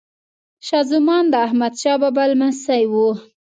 شاه زمان د احمد شاه بابا لمسی وه.